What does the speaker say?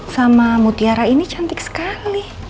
sama mutiara ini cantik sekali